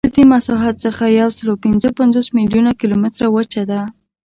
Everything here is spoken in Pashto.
له دې مساحت څخه یوسلاوپینځهپنځوس میلیونه کیلومتره وچه ده.